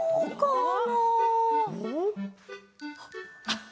あっ！